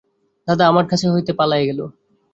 দাদা, আমার কাছ হইতে পালাইয়া গেল!